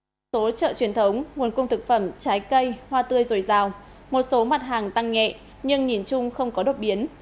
tổng trị giá số trợ truyền thống nguồn cung thực phẩm trái cây hoa tươi rồi giàu một số mặt hàng tăng nhẹ nhưng nhìn chung không có đột biến